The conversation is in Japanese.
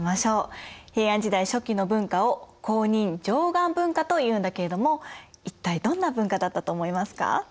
平安時代初期の文化を弘仁・貞観文化というんだけれども一体どんな文化だったと思いますか？